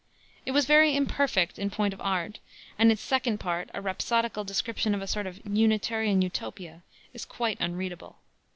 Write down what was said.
It was very imperfect in point of art, and its second part a rhapsodical description of a sort of Unitarian Utopia is quite unreadable.